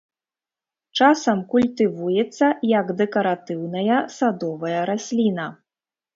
Часам культывуецца як дэкаратыўная садовая расліна.